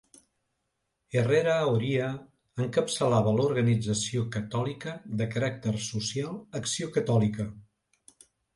Herrera Oria encapçalava l'organització catòlica de caràcter social Acció Catòlica.